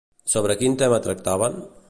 Sobre quin tema tractaven?